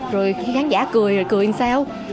rồi khán giả cười rồi cười làm sao